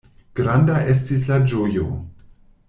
Granda estis la ĝojo!